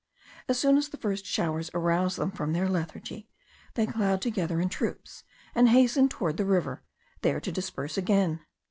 As soon as the first showers arouse them from their lethargy, they crowd together in troops, and hasten toward the river, there to disperse again.